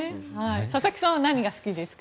佐々木さんは何が好きですか？